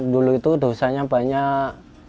dulu itu dosanya banyak